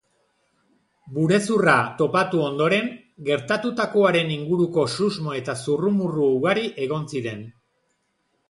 Burezurra topatu ondoren, gertatutakoaren inguruko susmo eta zurrumurru ugari egon ziren.